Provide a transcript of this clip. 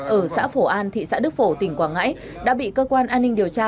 ở xã phổ an thị xã đức phổ tỉnh quảng ngãi đã bị cơ quan an ninh điều tra